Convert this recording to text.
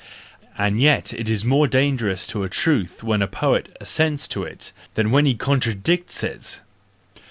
—and yet it is more dangerous to a truth when the poet assents to it than when he contradicts it!